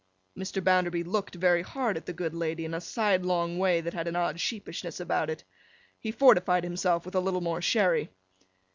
Mr. Bounderby looked very hard at the good lady in a side long way that had an odd sheepishness about it. He fortified himself with a little more sherry.